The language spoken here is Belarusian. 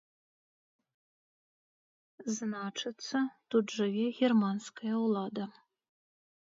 Значыцца, тут жыве германская ўлада!